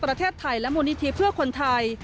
ประเทศไทยและมูลนิธิเพื่อคนไทย